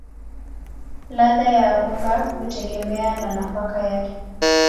Ladha ya unga hutegemea na nafaka yake.